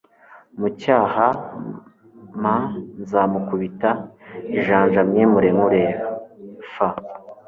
mu cyaha m nzamukubita ijanja mwimure mureba f